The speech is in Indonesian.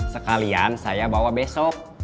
sekalian saya bawa besok